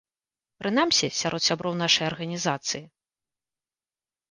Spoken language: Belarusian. Прынамсі сярод сяброў нашай арганізацыі.